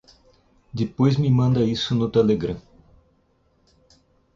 Depois me manda isso no Telegram.